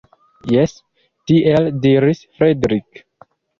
Jes, tiel diris Fredrik!